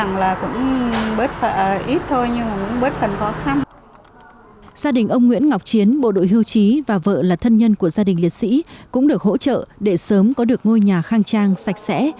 gia đình ông nguyễn ngọc chiến bộ đội hưu trí và vợ là thân nhân của gia đình liệt sĩ cũng được hỗ trợ để sớm có được ngôi nhà khang trang sạch sẽ